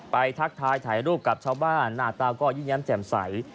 ทักทายถ่ายรูปกับชาวบ้านหน้าตาก็ยิ้มแย้มแจ่มใส